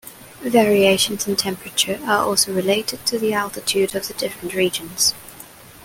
Variations in temperature are also related to the altitude of the different regions.